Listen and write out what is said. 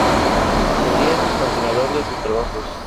Meliá es el continuador de sus trabajos.